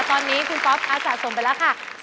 ตอนนี้คุณก๊อปสะสมไปแล้วค่ะ